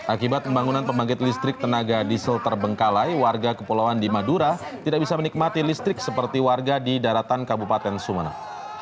akibat pembangunan pembangkit listrik tenaga diesel terbengkalai warga kepulauan di madura tidak bisa menikmati listrik seperti warga di daratan kabupaten sumeneb